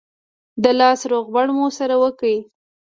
د لاس روغبړ مو سره وکړ.